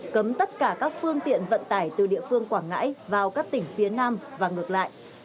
cấm tất cả các phương tiện vận tải từ địa phương quảng ngãi vào các tỉnh phía nam và ngược lại